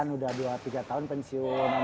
sudah dua tiga tahun pensiun